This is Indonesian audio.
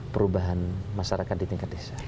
perubahan masyarakat di tingkat desa